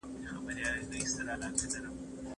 زه پرون ليکنې وکړې،